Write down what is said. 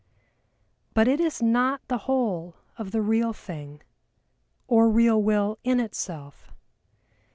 But it is not the whole of the real thing, or real will in itself.